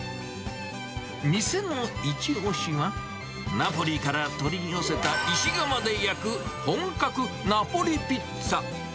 店の一押しが、ナポリから取り寄せた石窯で焼く本格ナポリピッツァ。